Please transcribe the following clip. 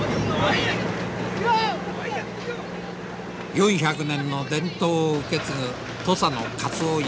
４００年の伝統を受け継ぐ土佐のカツオ一本づり。